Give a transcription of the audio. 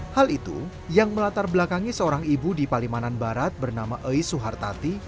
hal itu yang melatar belakangi seorang ibu di palimanan barat bernama ei suhartati